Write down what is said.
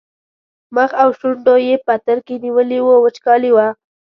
مخ او شونډو یې پترکي نیولي وو وچکالي وه.